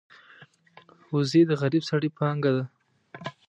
وزې د غریب سړي پانګه ده